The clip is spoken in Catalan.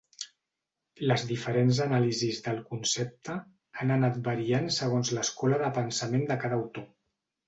Les diferents anàlisis del concepte han anat variant segons l’escola de pensament de cada autor.